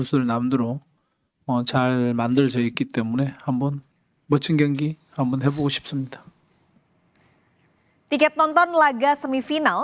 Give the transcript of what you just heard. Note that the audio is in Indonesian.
karena mereka adalah tim yang baik untuk uzbekistan